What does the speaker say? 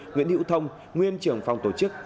nguyễn hữu thông nguyên trưởng phòng tổ chức